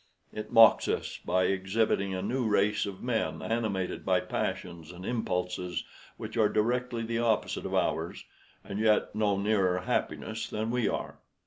It mocks us by exhibiting a new race of men, animated by passions and impulses which are directly the opposite of ours, and yet no nearer happiness than we are.